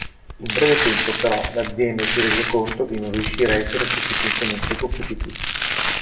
In breve tempo però l'azienda si rese conto di non riuscire ad essere sufficientemente competitiva.